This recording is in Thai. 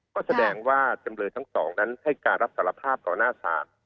ก็แสดงว่าจำเลยทั้งสองนั้นให้การรับสารภาพต่อหน้าศาล